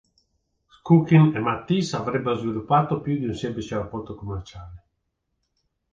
Ščukin e Matisse avrebbero sviluppato più di un semplice rapporto commerciale.